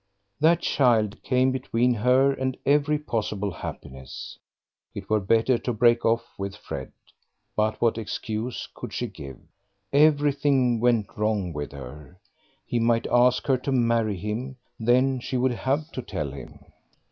That child came between her and every possible happiness.... It were better to break off with Fred. But what excuse could she give? Everything went wrong with her. He might ask her to marry him, then she would have to tell him.